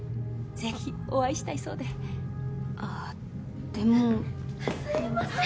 ぜひお会いしたいそうでああでもすいません！